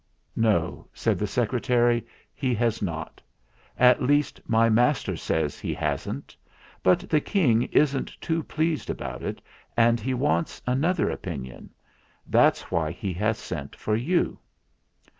"No," said the Secretary, "he has not. At least, my master says he hasn't ; but the King isn't too pleased about it, and he wants another opinion. That's why he has sent for you."